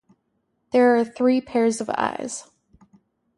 There are three pairs of eyes.